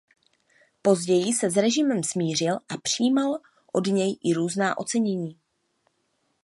Později se s režimem smířil a přijímal od něj i různá ocenění.